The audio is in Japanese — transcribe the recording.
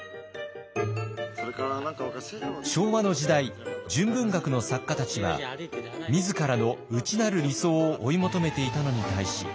昭和の時代純文学の作家たちは自らの内なる理想を追い求めていたのに対し。